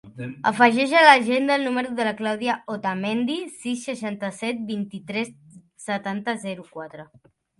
Afegeix a l'agenda el número de la Clàudia Otamendi: sis, seixanta-set, vint-i-tres, setanta, zero, quatre.